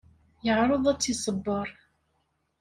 Yeεreḍ ad tt-iṣebber.